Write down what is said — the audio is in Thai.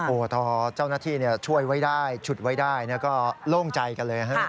โอ้โหพอเจ้าหน้าที่ช่วยไว้ได้ฉุดไว้ได้ก็โล่งใจกันเลยฮะ